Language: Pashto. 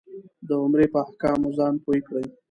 د عمرې په احکامو ځان پوی کړې.